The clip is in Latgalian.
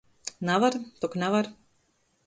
Navar, tok navar.